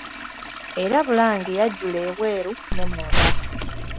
Era Bulange yajjula ebweru ne munda.